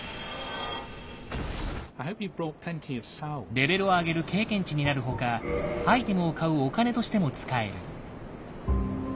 レベルを上げる経験値になるほかアイテムを買うお金としても使える。